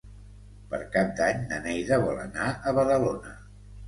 Per Cap d'Any na Neida vol anar a Badalona.